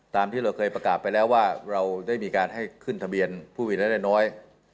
ตามที่เราเคยประกาศไปแล้วว่าเราได้มีการให้ขึ้นทะเบียนผู้มีรายได้น้อย